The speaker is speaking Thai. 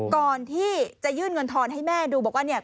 ก่อนที่จะยื่นเงินทอนให้แม่ดูบอกว่าเนี่ย